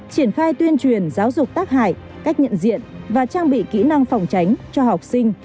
triển khai tuyên truyền giáo dục tác hại cách nhận diện và trang bị kỹ năng phòng tránh cho học sinh